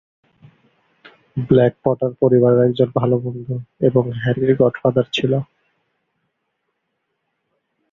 Black Potter পরিবারের একজন ভাল বন্ধু এবং হ্যারির গডফাদার ছিল।